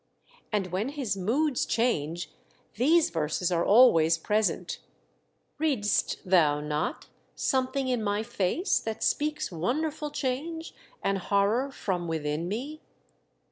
"And when his moods change these verses are always present —* Read'st thou not something in my face that speaks Wonderful change and horror from within me